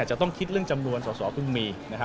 จะต้องคิดเรื่องจำนวนสอสอเพิ่งมี